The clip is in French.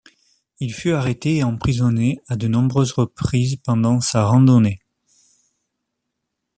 Il fut arrêté et emprisonné à de nombreuses reprises pendant sa randonnée.